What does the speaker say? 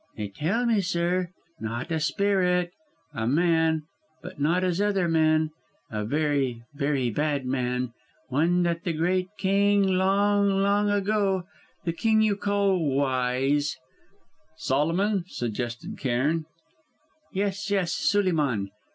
"They tell me, sir, not a spirit a man, but not as other men; a very, very bad man; one that the great king, long, long ago, the king you call Wise " "Solomon?" suggested Cairn. "Yes, yes, Suleyman!